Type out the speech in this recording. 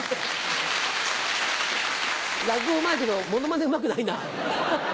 落語うまいけどモノマネうまくないな。